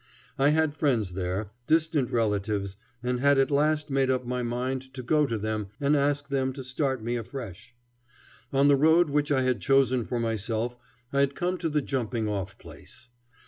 I had friends there, distant relatives, and had at last made up my mind to go to them and ask them to start me afresh. On the road which I had chosen for myself I had come to the jumping off place.